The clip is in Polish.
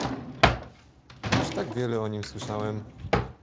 "Już tak wiele o nim słyszałem."